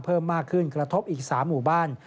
เพิ่มมากขึ้นกระทบอีก๓หมู่บ้าน